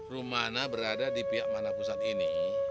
rumah mana berada di pihak mana pusat ini